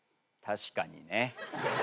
確かにね。